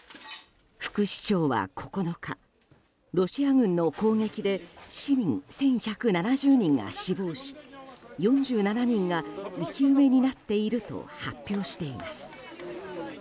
副市長は９日、ロシア軍の攻撃で市民１１７０人が死亡し４７人が生き埋めになっていると発表しています。